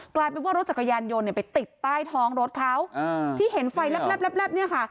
กลายเป็นว่ารถจักรยานยนต์ไปติดใต้ท้องรถเขาที่เห็นไฟแรบแรบแรบแรบนี่ค่ะ